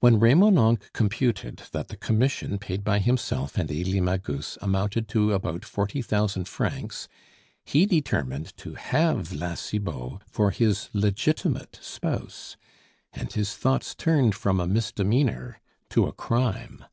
When Remonencq computed that the commission paid by himself and Elie Magus amounted to about forty thousand francs, he determined to have La Cibot for his legitimate spouse, and his thoughts turned from a misdemeanor to a crime.